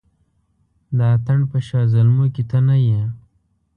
د اتڼ په شاه زلمیانو کې ته نه یې